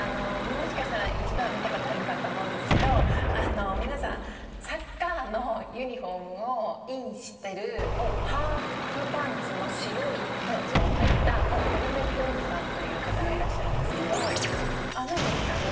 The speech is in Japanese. もしかしたら一度は見たことあるんだと思うんですけど、皆さん、サッカーのユニホームをインしてるハーフパンツの白いパンツをはいた、ヘルメットおじさんという方がいらっしゃるんですけど、ないですか？